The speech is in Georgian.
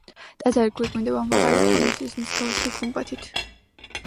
ტაძარი გვირგვინდება მაღალი კონუსის მსგავსი გუმბათით.